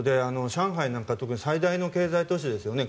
上海なんか特に最大の経済都市ですよね。